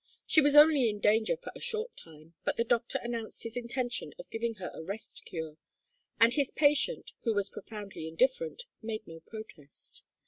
She was only in danger for a short time, but the doctor announced his intention of giving her a rest cure, and his patient, who was profoundly indifferent, made no protest.